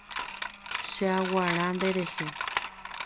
Cheaguara nderehe.